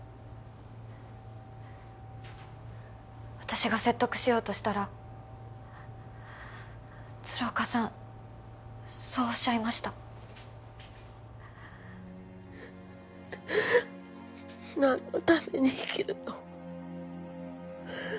私が説得しようとしたら鶴岡さんそうおっしゃいました何のために生きるの？